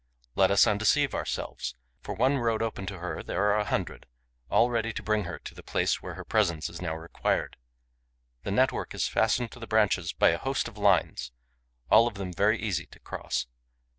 Let us undeceive ourselves: for one road open to her there are a hundred, all ready to bring her to the place where her presence is now required. The network is fastened to the branches by a host of lines, all of them very easy to cross.